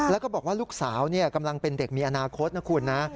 แล้วก็บอกว่าลูกสาวกำลังเป็นเด็กมีอนาคตนะคุณนะ